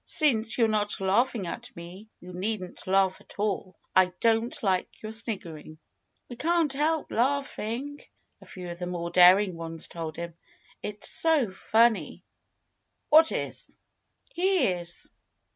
"Since you're not laughing at me, you needn't laugh at all. I don't like your sniggering." "We can't help laughing," a few of the more daring ones told him. "It's so funny!" "What is?" "He is!"